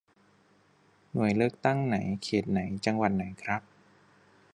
หน่วยเลือกตั้งไหน เขตไหน จังหวัดไหนครับ